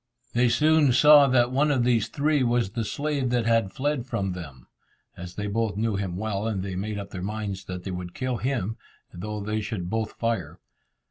They soon saw that one of these three was the slave that had fled from them, as they both knew him well, and they made up their minds that they would kill him, though they should both fire.